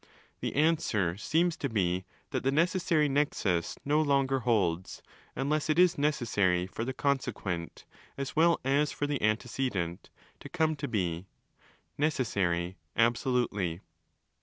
The answer seems to be that the necessary zexrus no longer holds, unless it is 'necessary' for the consequent (as well as for the ante cedent)! to come to be—' necessary' absolutely.